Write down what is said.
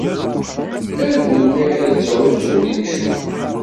Ar melmi ara tettɛuzzum imcumen?